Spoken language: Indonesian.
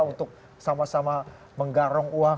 untuk melakukan perubahan